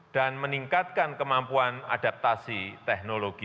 dan meningkatkan kemampuan adaptasi teknologi